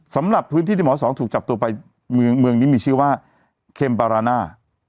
สำหรับพื้นที่ที่หมอสองถูกจับตัวไปเมืองนี้มีชื่อว่าเค็มปาราน่า